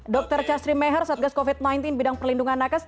dr casri mehar satgas covid sembilan belas bidang perlindungan nakas